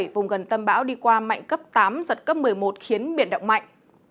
vùng gần tâm bão đi qua mạnh cấp tám giật cấp một mươi một khiến biển động mạnh